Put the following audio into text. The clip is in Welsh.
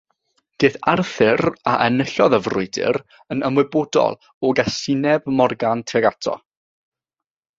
Daeth Arthur, a enillodd y frwydr, yn ymwybodol o gasineb Morgan tuag ato.